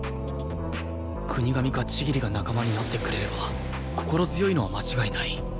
國神か千切が仲間になってくれれば心強いのは間違いない